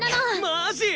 マジ！？